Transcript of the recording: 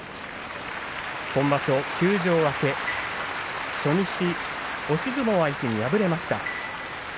今場所、休場明け初日、押し相撲相手に敗れました。